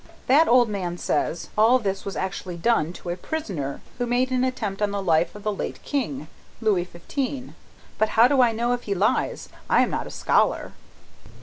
That old man says, all this was actually done to a prisoner who made an attempt on the life of the late King, Louis Fifteen. But how do I know if he lies? I am not a scholar."